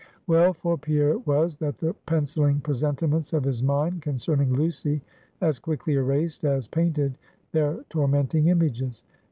Well for Pierre it was, that the penciling presentiments of his mind concerning Lucy as quickly erased as painted their tormenting images.